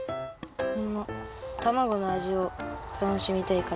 たまごのあじをたのしみたいから。